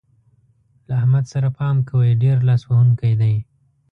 له احمد سره پام کوئ؛ ډېر لاس وهونکی دی.